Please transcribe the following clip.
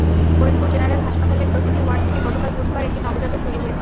Faridpur general হাসপাতালের প্রসূতি ward থেকে গতকাল বুধবার একটি নবজাতক চুরি হয়েছে।